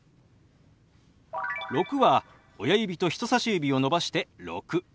「６」は親指と人さし指を伸ばして「６」。